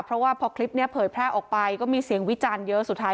เพราะว่าพอคลิปนี้เผยแพร่ออกไปก็มีเสียงวิจารณ์เยอะสุดท้าย